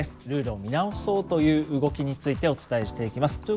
ルールを見直そうという動きについてお伝えしていきます。